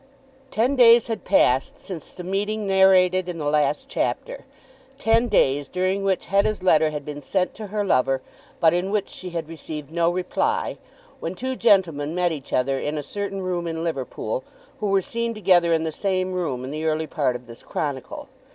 Ten days had passed since the meeting narrated in the last chapter, ten days, during which Hetta's letter had been sent to her lover, but in which she had received no reply, when two gentlemen met each other in a certain room in Liverpool, who were seen together in the same room in the early part of this chronicle.